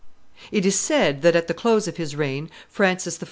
] It is said that at the close of his reign Francis I.